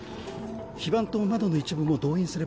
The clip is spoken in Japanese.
非番と「窓」の一部も動員すれば。